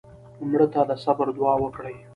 مړه ته د صبر دوعا وکړې